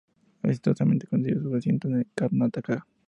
Exitosamente consiguió su asiento de Karnataka.